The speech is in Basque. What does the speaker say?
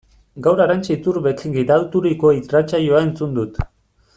Gaur Arantxa Iturbek gidaturiko irratsaioa entzun dut.